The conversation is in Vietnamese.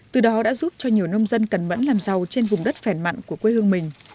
từ đó đã giúp cho nhiều nông dân cẩn mẫn làm giàu trên vùng đất phèn mặn của quê hương mình